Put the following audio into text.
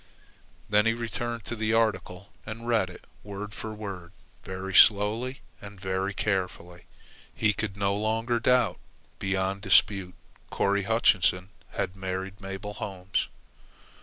Then he returned to the article and read it word for word, very slowly and very carefully. He could no longer doubt. Beyond dispute, Corry Hutchinson had married Mabel Holmes.